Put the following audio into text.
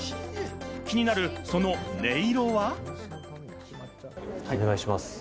気になるその音色は。